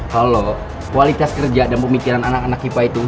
kalo kualitas kerja dan pemikiran anak anak ipa itu